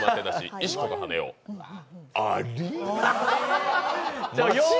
「石子と羽男」あり？